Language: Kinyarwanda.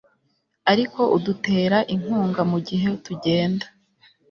Ariko udutera inkunga mugihe tugenda